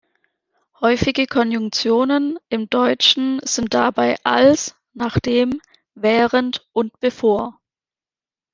Häufige Konjunktionen im Deutschen sind dabei „als“, „nachdem“, „während“ und „bevor“.